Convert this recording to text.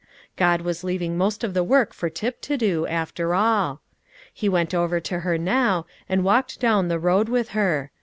God was leaving most of the work for Tip to do, after all. He went over to her now, and walked down the road with her.